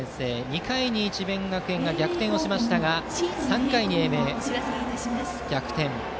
２回に智弁学園が逆転しましたが３回に英明、逆転。